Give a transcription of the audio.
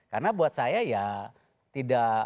karena buat saya ya tidak